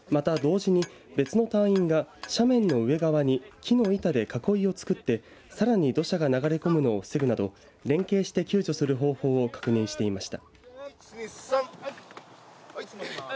また同時に別の隊員が斜面の上側に木の板で囲いを作ってさらに土砂が流れ込むのを防ぐなど連携して救助する方法を確認していました。